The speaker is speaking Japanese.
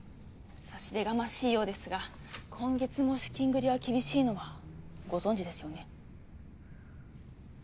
差し出がましいようですが今月も資金繰りは厳しいのはご存じですよね？